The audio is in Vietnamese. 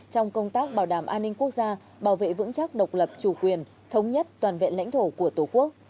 trong công tác bảo đảm an ninh quốc gia bảo vệ vững chắc độc lập chủ quyền thống nhất toàn vẹn lãnh thổ của tổ quốc